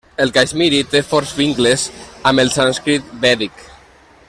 El caixmiri té forts vincles amb el sànscrit vèdic.